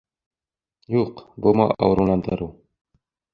Юҡ, Быума ауырыуынан дарыу.